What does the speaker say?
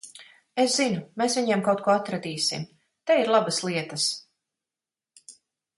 Es zinu, mēs viņiem kaut ko atradīsim. Te ir labas lietas.